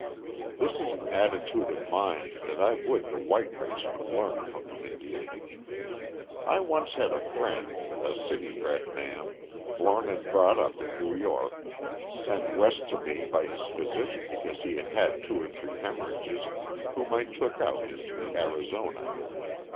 This is an attitude of mind that I would the white race would learn from the Indian. I once had a friend, a city bred man, born and brought up in New York, sent west to me by his physician because he had had two or three hemorrhages, whom I took out into Arizona.